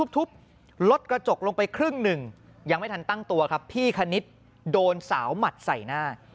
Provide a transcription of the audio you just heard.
ทุบรถกระจกลงไปครึ่งหนึ่งยังไม่ทันตั้งตัวครับพี่คณิตโดนสาวหมัดใส่หน้า